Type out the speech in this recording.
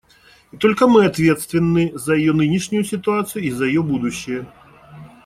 И только мы ответственны за ее нынешнюю ситуацию и за ее будущее.